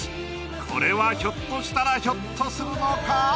これはひょっとしたらひょっとするのか？